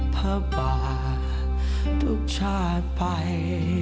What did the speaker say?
พระบาททุกชาติไป